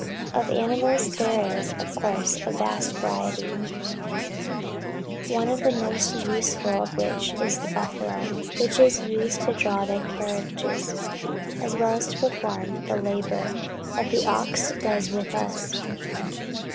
Of animals there is, of course, a vast variety, one of the most useful of which is the buffalo, which is used to draw their carriages, as well as to perform the labor that the ox does with us.